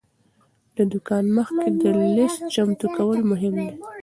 له دوکانه مخکې د لیست چمتو کول مهم دی.